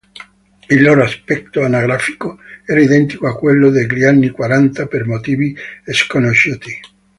Il loro aspetto anagrafico era identico a quello degli anni quaranta per motivi sconosciuti.